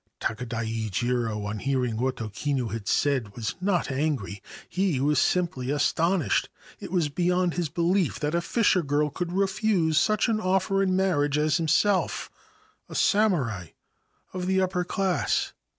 Takadai Jiro, on hearing what O Kinu had said, was not angry. He was simply astonished. It was beyond 138 The Diving Woman of Oiso Bay his belief that a fisher girl could refuse such an offer in marriage as himself — a samurai of the upper class.